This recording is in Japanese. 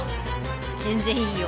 全然いいよ！